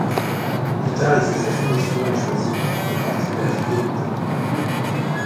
Plus tard, il fait sa soumission et choisit le parti de la fidélité.